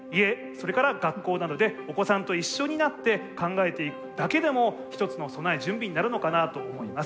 それから学校などでお子さんと一緒になって考えていくだけでも一つの備え準備になるのかなと思います。